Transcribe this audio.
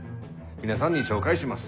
皆さんに紹介します。